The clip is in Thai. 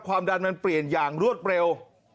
ความดันมันเปลี่ยนอย่างรวดเร็ว